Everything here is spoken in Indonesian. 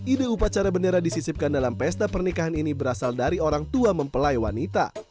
ide upacara bendera disisipkan dalam pesta pernikahan ini berasal dari orang tua mempelai wanita